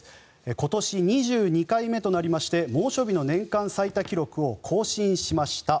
今年２２回目となりまして猛暑日の年間最多記録を更新しました。